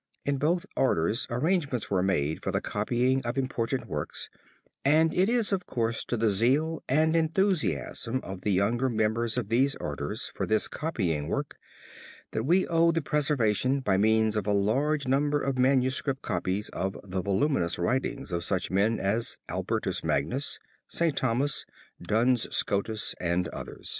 In both orders arrangements were made for the copying of important works and it is, of course, to the zeal and enthusiasm of the younger members of these orders for this copying work, that we owe the preservation by means of a large number of manuscript copies, of the voluminous writings of such men as Albertus Magnus, St. Thomas, Duns Scotus and others.